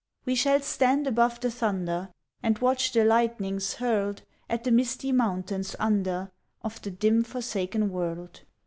We shall stand above the thunder, And watch the lightnings hurled At the misty mountains under, Of the dim forsaken world.